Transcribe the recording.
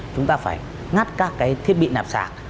chúng ta phải ngắt các thiết bị nạp sạc